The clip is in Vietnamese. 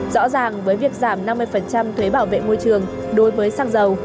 rõ ràng với việc giảm năm mươi thuế bảo vệ môi trường đối với xăng dầu